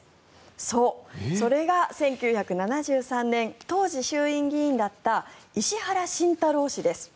そう、それが１９７３年当時、衆院議員だった石原慎太郎氏です。